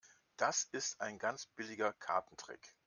Das ist ein ganz billiger Kartentrick.